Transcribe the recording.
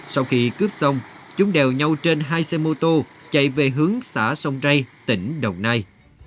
sau khi cướp xong chúng đều nhau trên hai xe mô tô chạy về hướng xã sông ray tỉnh đồng nai